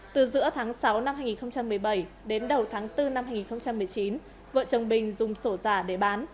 từ giữa tháng sáu năm hai nghìn một mươi bảy đến đầu tháng bốn năm hai nghìn một mươi chín vợ chồng bình dùng sổ giả để bán